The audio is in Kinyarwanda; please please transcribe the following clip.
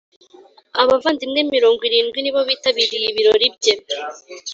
Abavandimwe mirongo irindwi nibo bitabiriye ibirori bye